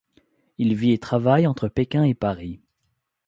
Il vit et travaille entre Pékin et Paris.